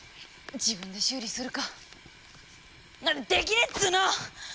自分で修理するか。なんてできねえっつうの！